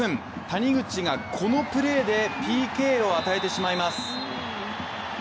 谷口がこのプレーでＰＫを与えてしまいます。